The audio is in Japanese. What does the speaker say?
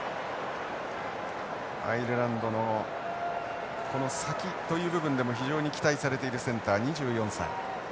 アイルランドのこの先という部分でも非常に期待されているセンター２４歳。